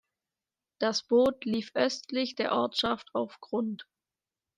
Das Boot lief östlich der Ortschaft auf Grund.